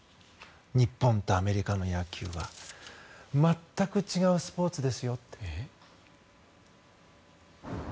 日本とアメリカの野球は全く違うスポーツですよ。